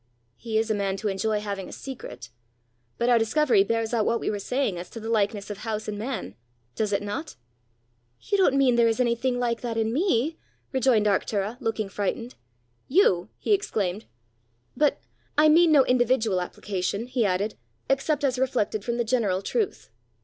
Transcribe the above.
"He is a man to enjoy having a secret! But our discovery bears out what we were saying as to the likeness of house and man does it not?" "You don't mean there is anything like that in me?" rejoined Arctura, looking frightened. "You!" he exclaimed. " But I mean no individual application," he added, "except as reflected from the general truth.